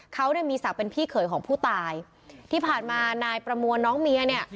เขาเนี่ยมีศักดิ์เป็นพี่เขยของผู้ตายที่ผ่านมานายประมวลน้องเมียเนี่ย